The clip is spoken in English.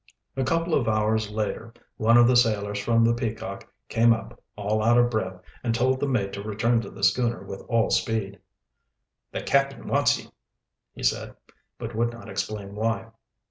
A couple of hours later one of the sailors from the Peacock came up, all out of breath, and told the mate to return to the schooner with all speed. "The cap'n wants ye," he said, but would not explain why.